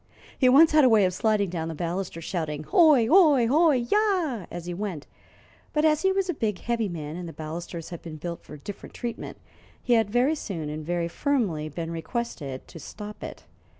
He once had a way of sliding down the balusters, shouting: "Ho! ho! ho! yah!" as he went, but as he was a big, heavy man, and the balusters had been built for different treatment, he had very soon and very firmly been requested to stop it.